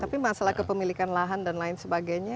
tapi masalah kepemilikan lahan dan lain sebagainya